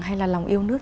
hay là lòng yêu nước